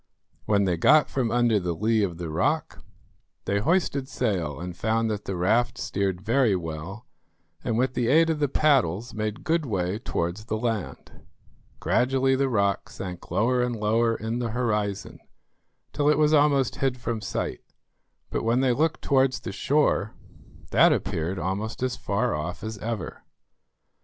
When they got from under the lee of the rock, they hoisted sail and found that the raft steered very well, and with the aid of the paddles made good way towards the land. Gradually the rock sank lower and lower in the horizon, till it was almost hid from sight; but when they looked towards the shore, that appeared almost as far off as ever.